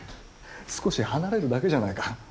少し離れるだけじゃないか。